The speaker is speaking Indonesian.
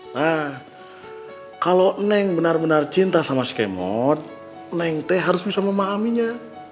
nah kalau neng benar benar cinta sama si kemot neng teh harus bisa memaaminya